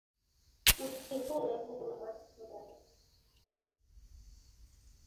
Mti ule una matunda.